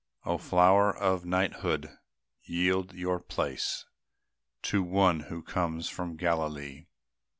O flower of knighthood, yield your place To One who comes from Galilee!